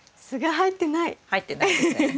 入ってないですね。